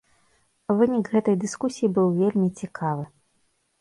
Вынік гэтай дыскусіі быў вельмі цікавы.